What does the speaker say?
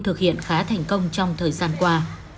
thực hiện khá thành công trong thời gian qua